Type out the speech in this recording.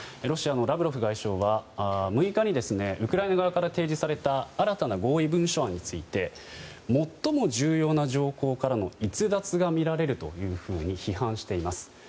ロシアのラブロフ外相は６日にウクライナ側から提示された新たな合意文書案について最も重要な条項からの逸脱が見られるというふうに批判しています。